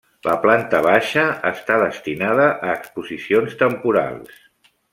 La planta baixa està destinada a exposicions temporals.